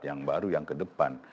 yang baru yang ke depan